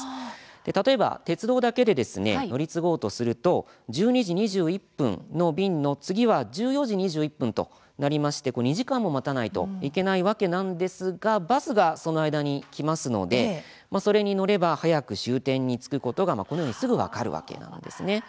例えば鉄道だけで乗り継ごうとすると１２時２１分の便の次は１４時２１分となりまして２時間も待たないといけないわけなんですがバスがその間に来ますのでそれに乗れば早く終点に着くことがこのようにすぐ分かるわけです。